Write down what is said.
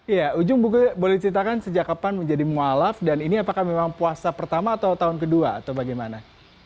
iya ujung boleh ceritakan sejak kapan menjadi mu'alaf dan ini apakah memang puasa pertama atau tahun kedua atau bagaimana